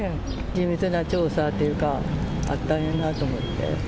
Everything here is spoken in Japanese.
地道な調査っていうか、あったんやなと思って。